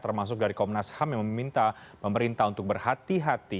termasuk dari komnas ham yang meminta pemerintah untuk berhati hati